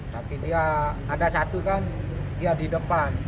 tapi dia ada satu kan dia di depan